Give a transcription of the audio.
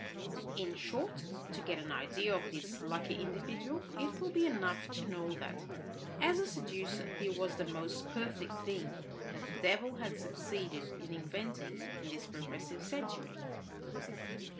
In short, to get an idea of this lucky individual, it will be enough to know that as a seducer he was the most perfect thing that the devil had succeeded in inventing in this progressive century.